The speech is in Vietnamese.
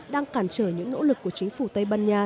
đang cản trở những nỗ lực của chính phủ tây ban nha